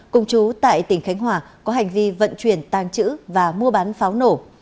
cùng chú tại tỉnh khánh hòa có hành vi vận chuyển tàng trữ và mua bán pháo nổ